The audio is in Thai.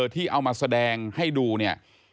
ที่เอามาแสดงให้ดูเนี่ย